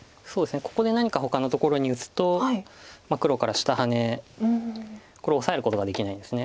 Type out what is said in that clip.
ここで何かほかのところに打つと黒から下ハネこれオサえることができないんです。